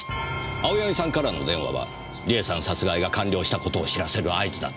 青柳さんからの電話は梨絵さん殺害が完了したことを知らせる合図だった。